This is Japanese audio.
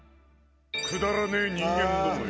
「くだらねえ人間どもよ」